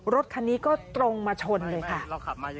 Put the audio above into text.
รถคันนี้ก็ตรงมาชนเลยค่ะ